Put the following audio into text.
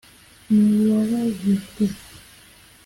mu babajijwe